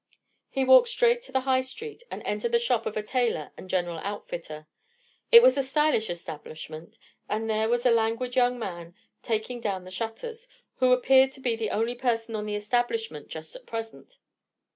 He walked straight to the High Street, and entered the shop of a tailor and general outfitter. It was a stylish establishment, and there was a languid young man taking down the shutters, who appeared to be the only person on the establishment just at present.